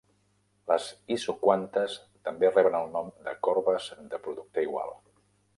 Les isoquantes també reben el nom de corbes de producte igual.